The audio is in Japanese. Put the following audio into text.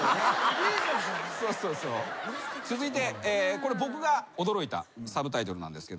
これ僕が驚いたサブタイトルなんですけども。